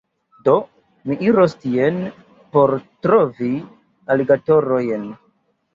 Do, mi iros tien por trovi aligatorojn